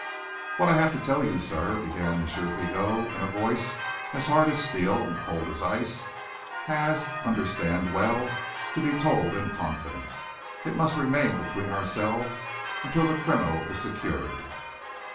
"What I have to tell you, sir," began M. Pigot, in a voice as hard as steel and cold as ice, "has, understand well, to be told in confidence. It must remain between ourselves until the criminal is secured."